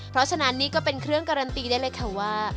เพราะฉะนั้นนี่ก็เป็นเครื่องการันตีได้เลยค่ะว่า